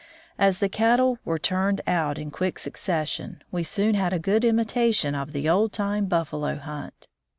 As the cattle were turned out in quick succes sion, we soon had a good imitation of the old time buffalo hunt.